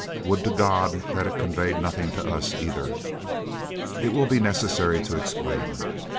Would to God that it conveyed nothing to us either! It will be necessary to explain.